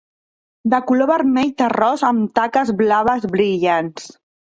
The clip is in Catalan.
De color vermell terrós amb taques blaves brillants.